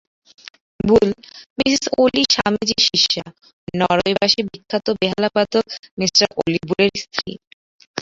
বুল, Mrs Ole স্বামীজীর শিষ্যা, নরওয়েবাসী বিখ্যাত বেহালাবাদক মি ওলি বুলের স্ত্রী।